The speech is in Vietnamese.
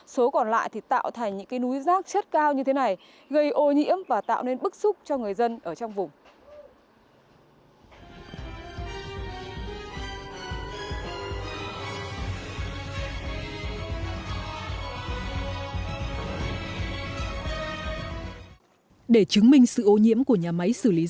số còn lại thì tạo thành những cái núi rác chất cao như thế này gây ô nhiễm và tạo nên bức xúc cho người dân ở trong vùng